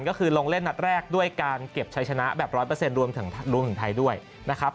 ก็คือลงเล่นนัดแรกด้วยการเก็บชัยชนะแบบ๑๐๐รวมถึงไทยด้วยนะครับ